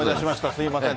すみません。